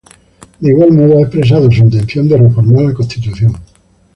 De igual modo ha expresado su intención de reformar la Constitución.